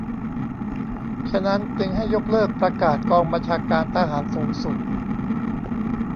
ฉะนั้น จึงให้ยกเลิกประกาศกองบัญชาการทหารสูงสุด